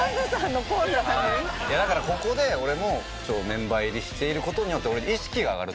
だからここで俺もメンバー入りしている事によって俺の意識が上がる。